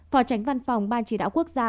phó tránh văn phòng ban chỉ đạo quốc gia